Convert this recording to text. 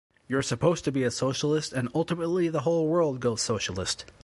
You're supposed to be a socialist and ultimately the whole world goes socialist.